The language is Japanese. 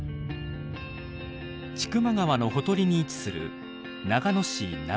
千曲川のほとりに位置する長野市長沼地区。